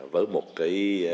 với một cái